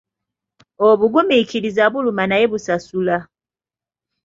Obugumiikiriza buluma naye busasula.